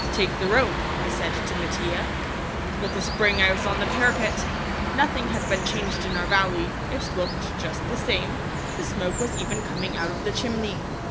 "Take the rope," I said to Mattia. With a spring I was on the parapet. Nothing had been changed in our valley; it looked just the same; the smoke was even coming out of the chimney.